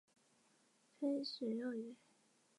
毛叶蕨为膜蕨科毛叶蕨属下的一个种。